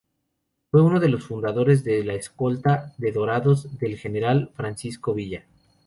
Fue uno de los fundadores de la escolta de ""Dorados"" del general Francisco Villa.